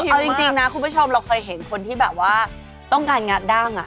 จริงนะคุณผู้ชมเราเคยเห็นคนที่แบบว่าต้องการงัดดั้ง